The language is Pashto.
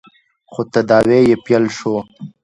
خو تداوې يې پیل شول.